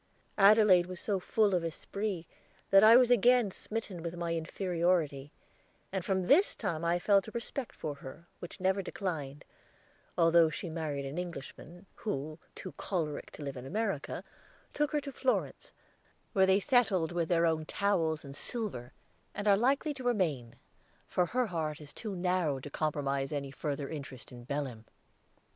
Adelaide was so full of esprit that I was again smitten with my inferiority, and from this time I felt a respect for her, which never declined, although she married an Englishman, who, too choleric to live in America, took her to Florence, where they settled with their own towels and silver, and are likely to remain, for her heart is too narrow to comprise any further interest in Belem.